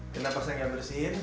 kenapa saya enggak bersihin